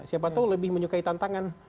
siapa tahu lebih menyukai tantangan